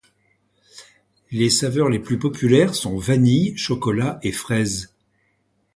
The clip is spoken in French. Les saveurs les plus populaires sont vanille, chocolat, et fraise.